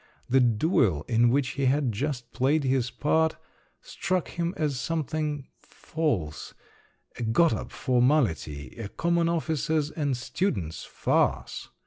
The duel, in which he had just played his part, struck him as something false, a got up formality, a common officers' and students' farce.